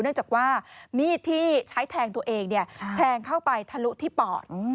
เนื่องจากว่ามีดที่ใช้แทงตัวเองแทงเข้าไปทะลุที่ปอด